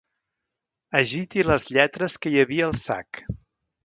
Agiti les lletres que hi havia al sac.